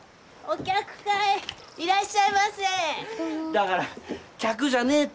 だから客じゃねえって！